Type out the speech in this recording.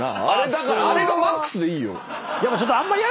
だからあれがマックスでいいよ。